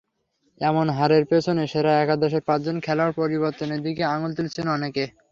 এমন হারের পেছনে সেরা একাদশের পাঁচজন খেলোয়াড় পরিবর্তনের দিকেই আঙুল তুলছেন অনেকে।